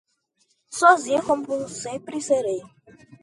sozinho como sempre serei.